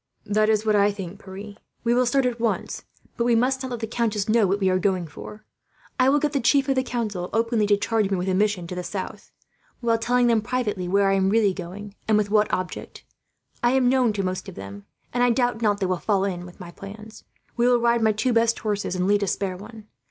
"That is what I think, Pierre. We will start at once, but we must not let the countess know what we are going for. I will get the chief of the council, openly, to charge me with a mission to the south; while telling them, privately, where I am really going, and with what object. I am known to most of them, and I doubt not they will fall in with my plans. "We will ride my two best horses, and lead a spare one.